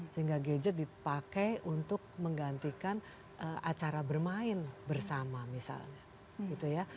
sehingga gadget dipakai untuk menggantikan acara bermain bersama misalnya